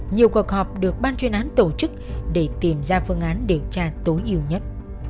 nhiều cuộc họp được ban chuyên án tổ chức để tìm ra phương án điều tra tối ưu nhất